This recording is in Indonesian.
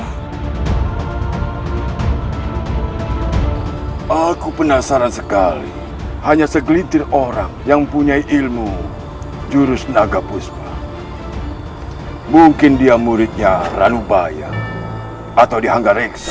hai aku penasaran sekali hanya segelitir orang yang punya ilmu jurus naga puspa mungkin dia muridnya ranubaya atau dihangga reksa